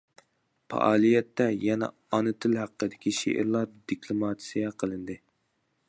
پائالىيەتتە يەنە ئانا تىل ھەققىدىكى شېئىرلار دېكلاماتسىيە قىلىندى.